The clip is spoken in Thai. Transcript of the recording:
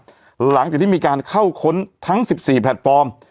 ตอนหลังจะได้มีการเข้าค้นทั้ง๑๔แพลตฟอร์ม